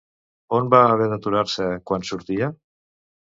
On va haver d'aturar-se quan sortia?